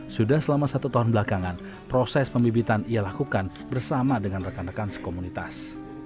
sudah selama satu tahun belakangan proses pembibitan ia lakukan bersama dengan rekan rekan sekomunitas